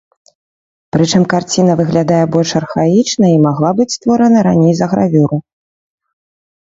Прычым карціна выглядае больш архаічна і магла быць створана раней за гравюру.